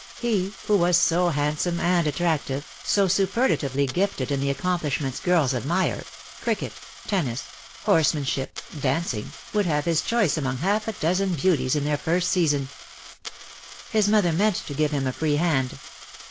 He, who was so handsome and attractive, so superlatively gifted in the accomplishments girls ad mire, cricket, tennis, horsemanship, dancing, would have his choice among half a dozen beauties in their first season. His mother meant to give him a free hand.